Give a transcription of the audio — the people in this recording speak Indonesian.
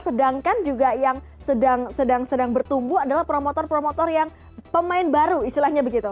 sedangkan juga yang sedang sedang bertumbuh adalah promotor promotor yang pemain baru istilahnya begitu